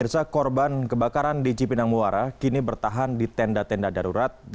pemirsa korban kebakaran di cipinang muara kini bertahan di tenda tenda darurat